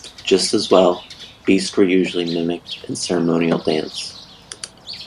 Just as well, beasts were usually mimicked in ceremonial dance.